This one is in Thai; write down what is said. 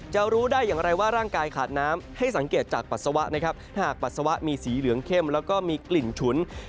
รู้ได้อย่างไรว่าร่างกายขาดน้ำให้สังเกตจากปัสสาวะนะครับถ้าหากปัสสาวะมีสีเหลืองเข้มแล้วก็มีกลิ่นฉุน